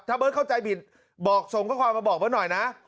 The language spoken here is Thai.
ถ้าเบิร์ตเข้าใจผิดส่งข้อความมาบอกไว้หน่อยนะ